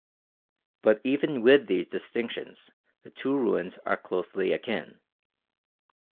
But even with these distinctions the two ruins are closely akin.